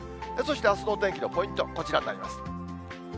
そしてあすのお天気のポイント、こちらになります。